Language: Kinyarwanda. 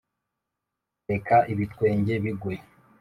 reka ibitwenge bigwe